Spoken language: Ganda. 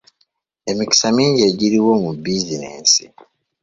Emikisa mingi egiriwo mu bizinensi.